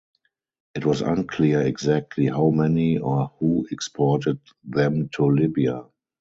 It was unclear exactly how many or who exported them to Libya.